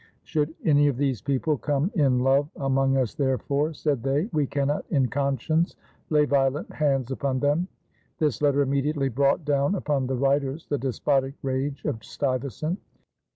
"Should any of these people come in love among us therefore," said they, "we cannot in conscience lay violent hands upon them." This letter immediately brought down upon the writers the despotic rage of Stuyvesant.